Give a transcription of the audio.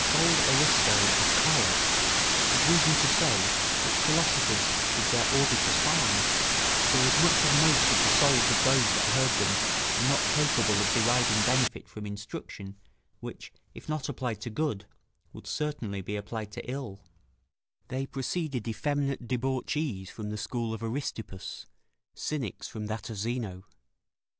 Old Aristo of Chios had reason to say that philosophers did their auditors harm, forasmuch as most of the souls of those that heard them were not capable of deriving benefit from instruction, which, if not applied to good, would certainly be applied to ill: ["They proceeded effeminate debauchees from the school of Aristippus, cynics from that of Zeno."